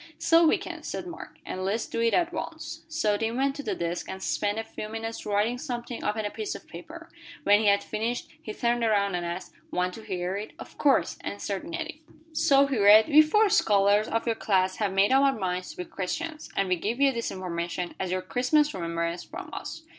"So we can," said Mark, "and let's do it at once." So Tim went to the desk, and spent a few minutes writing something upon a piece of paper. When he had finished, he turned around and asked; "Want to hear it?" "Of course," answered Nettie. So he read: "We four scholars of your class have made up our minds to be Christians, and we give you this information as your Christmas remembrance from us."